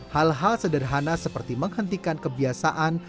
hal hal sederhana seperti menghentikan kebiasaan